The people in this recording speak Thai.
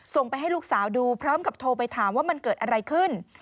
ส่งไปให้ลูกสาวดูพร้อมกับโทรไปถามว่ามันเกิดอะไรขึ้น